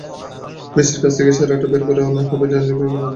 মেসির কাছ থেকে সেরাটা বের করে আনাই হবে এনরিকের অন্যতম চ্যালেঞ্জ।